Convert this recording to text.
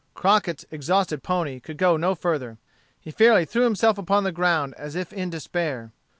Crockett's exhausted pony could go no further. He fairly threw himself upon the ground as if in despair.